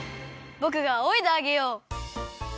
ぼくがあおいであげよう。